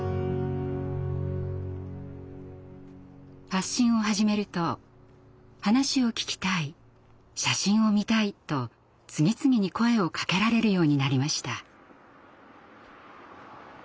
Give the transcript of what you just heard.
発信を始めると「話を聞きたい」「写真を見たい」と次々に声をかけられるようになりました。